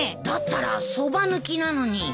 だったらそば抜きなのに。